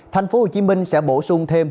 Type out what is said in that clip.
thành phố hồ chí minh sẽ bổ sung thêm